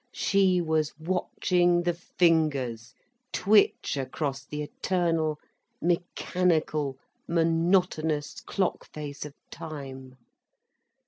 She was watching the fingers twitch across the eternal, mechanical, monotonous clock face of time.